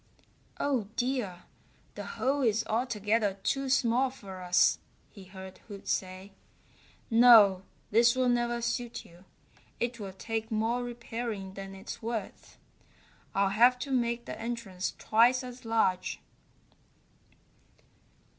"Oh, dear, the hole is altogether too small for us," he heard Hoot say. "No, this will never suit you. It will take more repairing than it's worth. I'll have to make the entrance twice as large."